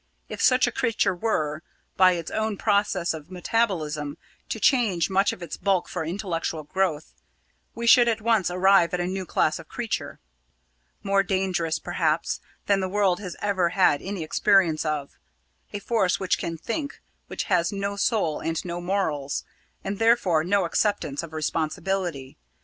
If such a creature were, by its own process of metabolism, to change much of its bulk for intellectual growth, we should at once arrive at a new class of creature more dangerous, perhaps, than the world has ever had any experience of a force which can think, which has no soul and no morals, and therefore no acceptance of responsibility.